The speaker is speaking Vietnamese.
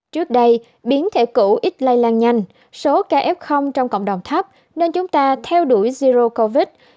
trước đây biến thể cũ ít lay lan nhanh số ca f trong cộng đồng thấp nên chúng ta theo đuổi zero covid